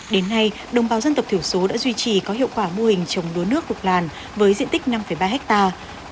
đến nay đồng bào dân tộc thiểu số đã duy trì có hiệu quả mô hình trồng lúa nước làn với diện tích năm ba hectare